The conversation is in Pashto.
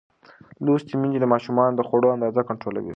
لوستې میندې د ماشومانو د خوړو اندازه کنټرولوي.